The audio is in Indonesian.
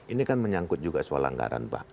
ini kan menyangkut juga soal anggaran pak